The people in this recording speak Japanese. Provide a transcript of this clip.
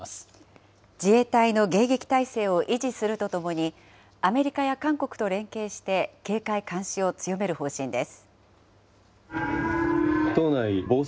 自衛隊の迎撃態勢を維持するとともに、アメリカや韓国と連携して、警戒監視を強める方針です。